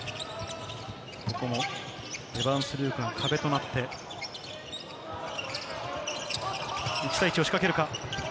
ここもエヴァンス・ルークが壁となって、１対１を仕掛けるか。